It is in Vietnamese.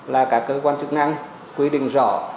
là các cơ quan chức năng quy định rõ